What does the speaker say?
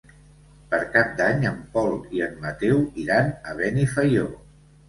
Per Cap d'Any en Pol i en Mateu iran a Benifaió.